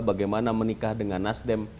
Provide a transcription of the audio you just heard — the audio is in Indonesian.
bagaimana menikah dengan nasdem